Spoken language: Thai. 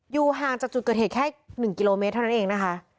ห่างจากจุดเกิดเหตุแค่๑กิโลเมตรเท่านั้นเองนะคะ